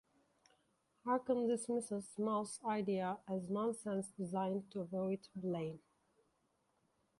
Harken dismisses Mal's idea as nonsense designed to avoid blame.